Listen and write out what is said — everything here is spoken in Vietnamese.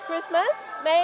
cho chúng tôi